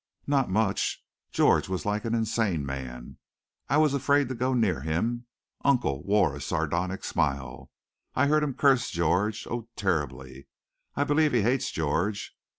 "Not much. George was like an insane man. I was afraid to go near him. Uncle wore a sardonic smile. I heard him curse George oh, terribly! I believe he hates George.